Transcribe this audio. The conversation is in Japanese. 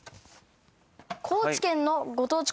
高知県のご当地